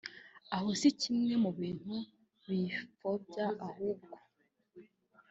aho si kimwe mu bintu biyipfobya ahubwo